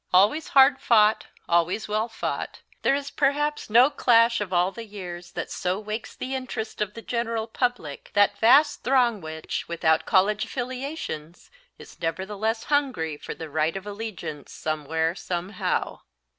Always hard fought, always well fought, there is perhaps no clash of all the year that so wakes the interest of the general public, that vast throng which, without college affiliations, is nevertheless hungry for the right of allegiance somewhere, somehow.